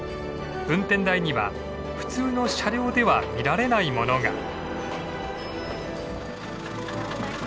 運転台には普通の車両では見られないものが。